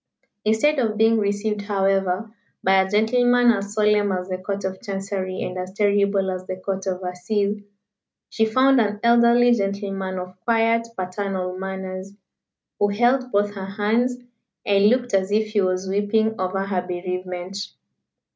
Instead of being received, however, by a gentleman as solemn as the Court of Chancery and as terrible as the Court of Assize, she found an elderly gentleman, of quiet, paternal manners, who held both her hands, and looked as if he was weeping over her bereavement.